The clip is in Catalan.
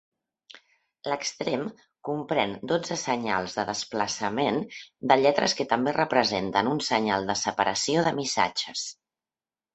L'extrem comprèn dotze senyals de desplaçament de lletres que també representen un senyal de separació de missatges.